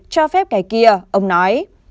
cho phép cái kia ông nói